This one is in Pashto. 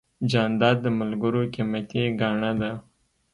جانداد د ملګرو قیمتي ګاڼه ده.